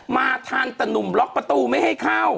มาทันแต่หนุ่มล็อกประตูไม่ให้เข้า